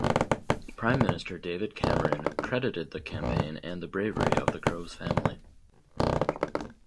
Prime Minister David Cameron credited the campaign and the bravery of the Groves family.